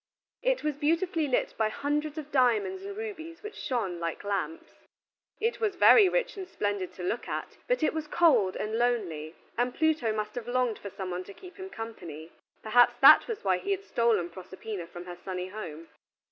It was beautifully lit by hundreds of diamonds and rubies which shone like lamps. It was very rich and splendid to look at, but it was cold and lonely and Pluto must have longed for some one to keep him company; perhaps that was why he had stolen Proserpina from her sunny home.